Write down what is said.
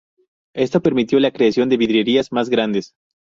Esto permitió la creación de vidrieras más grandes.